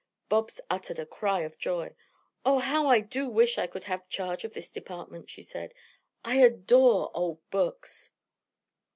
Bobs uttered a cry of joy. "Oh, how I do wish I could have charge of this department," she said. "I adore old books."